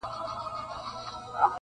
انسان انسان دی انسان څۀ ته وایي -